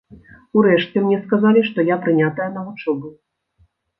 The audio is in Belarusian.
Урэшце мне сказалі, што я прынятая на вучобу.